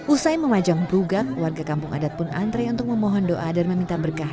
usai memajang bruga warga kampung adat pun antre untuk memohon doa dan meminta berkah